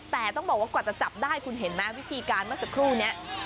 แต่ต้องบอกว่ากว่าจะจับได้คุณเห็นไหมวิธีการเมื่อสักครู่นี้